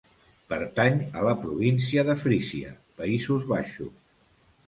Pertany a la província de Frísia, Països Baixos.